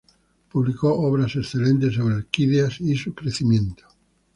Publicó obras excelentes sobre orquídeas y su crecimiento.